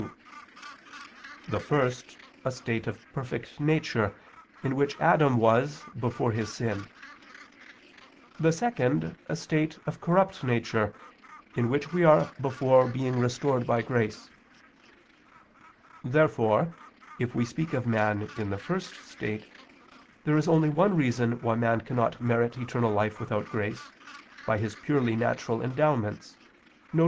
2): the first, a state of perfect nature, in which Adam was before his sin; the second, a state of corrupt nature, in which we are before being restored by grace. Therefore, if we speak of man in the first state, there is only one reason why man cannot merit eternal life without grace, by his purely natural endowments, viz.